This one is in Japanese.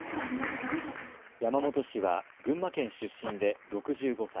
山本氏は群馬県出身で６５歳。